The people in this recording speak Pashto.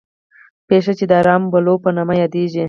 پېښه چې د رام بلوا په نامه یادېږي.